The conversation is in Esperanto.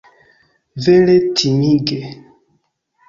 Vere timige!